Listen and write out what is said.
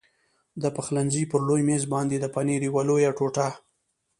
د پخلنځي پر لوی مېز باندې د پنیر یوه لویه ټوټه.